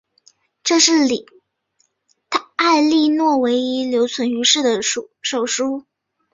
这是埃莉诺唯一留存于世的手书。